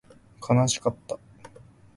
悲しかった